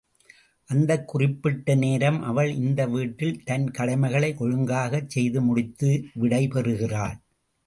அந்தக் குறிப்பிட்ட நேரம் அவள் இந்த வீட்டில் தன் கடமைகளை ஒழுங்காகச் செய்து முடித்து விடை பெறுகிறாள்.